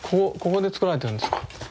ここで作られてるんですか？